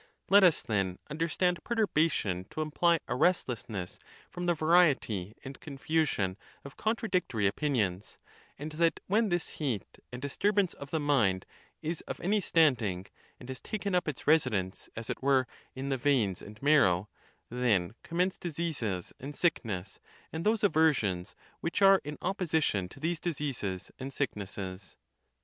Let us, then, under stand perturbation to imply a restlessness from the varie ty and confusion of contradictory opinions; and that when this heat and disturbance of the mind is of any standing, and has taken up its residence, as it were, in the veins and marrow, then commence diseases and sickness, and those aversions which are in opposition to these diseases and sicknesses.